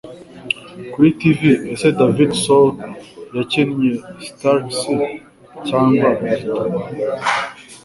Kuri Tv Ese David Soul Yakinnye Starsky Cyangwa Igituba